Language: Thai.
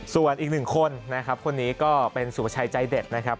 ส่วนอีกหนึ่งคนนะครับคนนี้ก็เป็นสุภาชัยใจเด็ดนะครับ